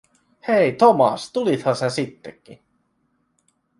"Hei, Thomas, tulitha sä sitteki."